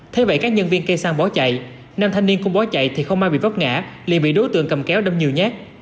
thế vậy các nhân viên cây xăng bỏ chạy nam thanh niên cũng bỏ chạy thì không ai bị vấp ngã liền bị đối tượng cầm kéo đâm nhiều nhát